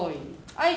はい。